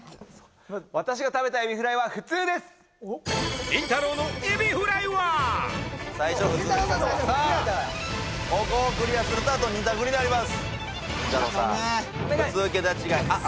私が食べたエビフライは普通です最初普通ここをクリアするとあと２択になりますりんたろー。